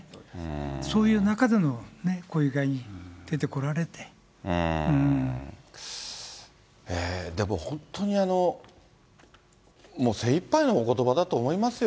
そういう中でのね、でも、本当にもう精いっぱいのおことばだと思いますよ。